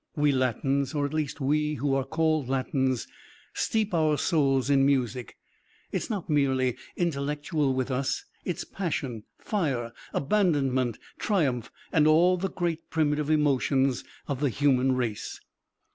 We Latins, or at least we who are called Latins, steep our souls in music. It's not merely intellectual with us. It's passion, fire, abandonment, triumph and all the great primitive emotions of the human race."